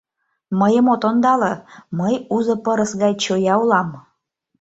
Мыйым от ондале: мый узо пырыс гай чоя улам.